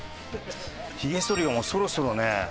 ひげそりをもうそろそろね。